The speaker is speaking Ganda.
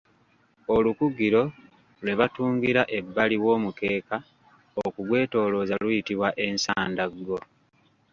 Olukugiro lwe batungira ebbali w'omukeeka okugwetoolooza luyitibwa ensandaggo